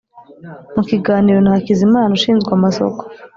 Mu kiganiro na Hakizimana ushinzwe amasoko